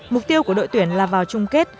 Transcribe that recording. mục tiêu của đội tuyển là vào chung kết